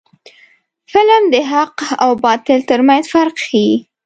فلم د حق او باطل ترمنځ فرق ښيي